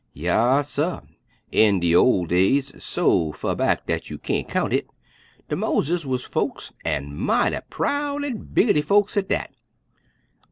Yas, suh, in de ol' days, so fur back dat you kain't kyount hit, de moleses wuz folks, an' mighty proud an' biggitty folks at dat.